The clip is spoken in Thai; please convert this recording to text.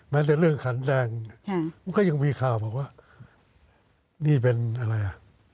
แต่เรื่องขันแดงมันก็ยังมีข่าวบอกว่านี่เป็นอะไรอ่ะ